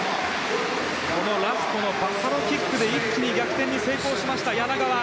ラストのバサロキックで一気に逆転に成功した柳川。